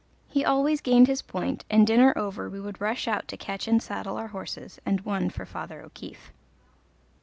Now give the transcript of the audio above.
He always gained his point, and dinner over we would rush out to catch and saddle our horses, and one for Father O'Keefe.